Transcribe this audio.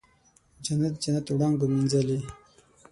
جنت، جنت وړانګو مینځلې